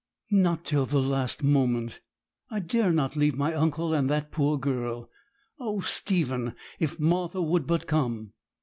Not till the last moment. I dare not leave my uncle and that poor girl. Oh, Stephen, if Martha would but come!'